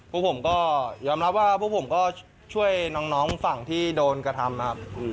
พวกผมก็ยอมรับว่าพวกผมก็ช่วยน้องฝั่งที่โดนกระทำนะครับ